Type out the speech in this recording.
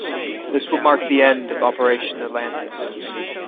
This would mark the end of Operation Atlantis.